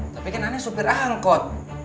tapi kan aneh supir ahal kot